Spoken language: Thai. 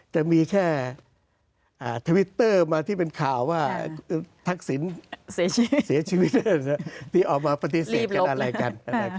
จะมีแค่ทวิตเตอร์มาที่เป็นข่าวว่าทักษิณเสียชีวิตที่ออกมาปฏิเสธกันอะไรกัน